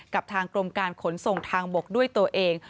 กับทางกรมการขนส่งทางบกด้วยตัวเอง